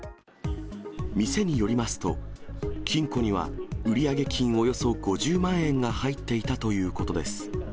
店によりますと、金庫には売上金およそ５０万円が入っていたということです。